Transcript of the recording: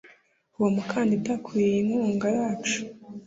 Uwo mukandida akwiye inkunga yacu